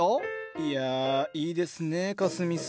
いやいいですねかすみ草。